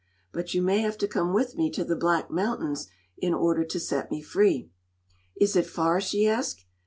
But you may have to come with me to the Black Mountains, in order to set me free." "Is it far?" she asked.